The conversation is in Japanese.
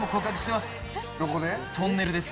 どこで？